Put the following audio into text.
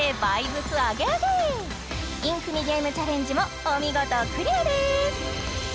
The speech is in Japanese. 韻踏みゲームチャレンジもお見事クリアです！